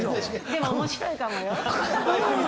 でも面白いかもよ。